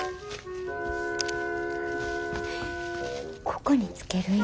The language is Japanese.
ここにつけるんよ。